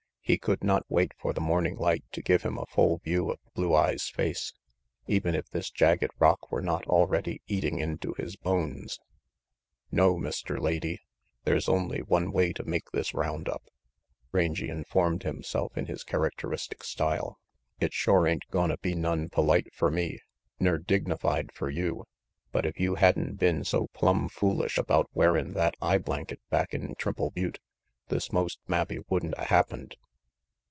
He could not wait for the morning light to give him a full view of Blue Eyes' face, even if this jagged rock were not already eating into his bones. "No, Mr. Lady, they's only one way to make this round up, " Rangy informed himself in his char acteristic style. "It shore ain't gonna be none polite fer me, ner dignified fer you, but if you had'n been so plumb foolish about wearin' that eye blanket back in Triple Butte, this most mabbe wouldn't a happened.